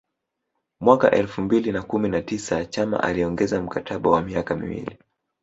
Mwaka elfu mbili na kumi na tisa Chama aliongeza mkataba wa miaka miwili